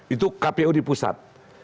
itu kpu di pusat